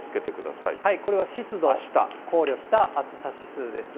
これは湿度を考慮した暑さ指数です。